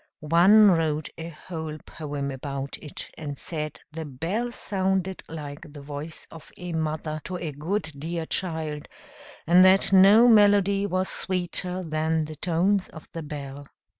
One wrote a whole poem about it, and said the bell sounded like the voice of a mother to a good dear child, and that no melody was sweeter than the tones of the bell.